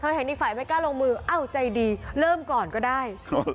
เห็นอีกฝ่ายไม่กล้าลงมืออ้าวใจดีเริ่มก่อนก็ได้